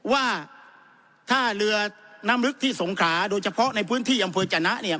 ว่าถ้าเรือน้ำลึกที่สงขาโดยเฉพาะในพื้นที่อำเภอจนะเนี่ย